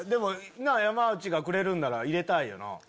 山内がくれるんなら入れたいな。